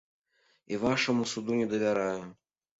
І вашаму суду не давяраю.